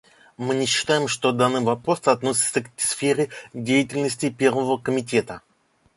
Мы не считаем, что данный вопрос относится к сфере деятельности Первого комитета.